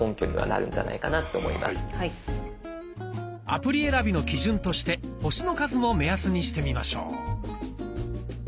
アプリ選びの基準として「星の数」も目安にしてみましょう。